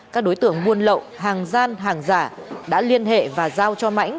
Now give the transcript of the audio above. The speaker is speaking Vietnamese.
các đối tượng buôn lậu hàng gian hàng giả đã liên hệ và giao cho mãnh